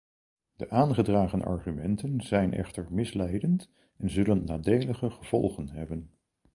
De aangedragen argumenten zijn echter misleidend en zullen nadelige gevolgen hebben.